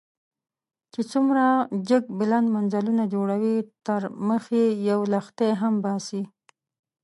چې دومره جګ بلند منزلونه جوړوئ، نو تر مخ يې يو لښتی هم وباسئ.